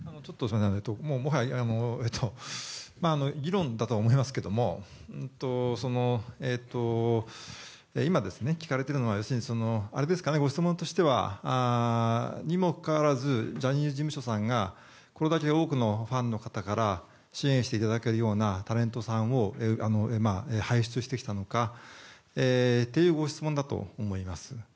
議論だと思いますけれども今、聞かれているのはご質問としては、にもかかわらずジャニーズ事務所さんがこれだけ多くのファンの方から支援していただけるようなタレントさんを輩出してきたのかというご質問だと思います。